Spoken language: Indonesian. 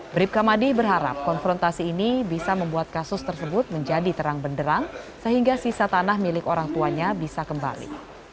bribka madi berharap konfrontasi ini bisa membuat kasus tersebut menjadi terang benderang sehingga sisa tanah milik orang tuanya bisa kembali